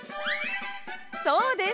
そうです。